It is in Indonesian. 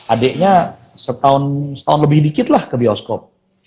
adiknya setahun lebih dikit lah ke bioskop